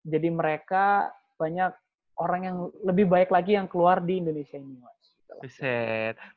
jadi mereka banyak orang yang lebih baik lagi yang keluar di indonesia ini